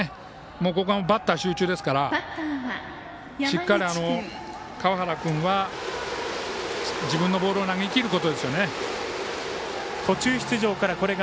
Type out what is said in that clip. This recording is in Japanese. ここはバッターに集中ですからしっかり川原君は自分のボールを投げ切ることですよね。